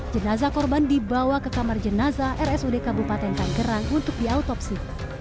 jenazah korban dibawa ke kamar jenazah rsud kabupaten tanggerang untuk diautopsi